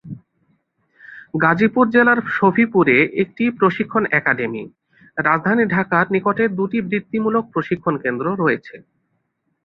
গাজীপুর জেলার সফিপুরে একটি প্রশিক্ষণ একাডেমি, রাজধানী ঢাকার নিকটে দুটি বৃত্তিমূলক প্রশিক্ষণ কেন্দ্র রয়েছে।